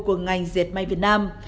của ngành diệt mai việt nam